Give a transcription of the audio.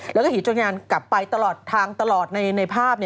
แล้วก็ขี่จนงานกลับไปตลอดทางตลอดในภาพ